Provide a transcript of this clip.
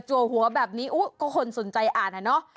จัวหัวแบบนี้ก็คนสนใจอ่านนะ